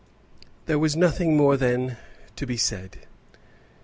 There was nothing more then to be said.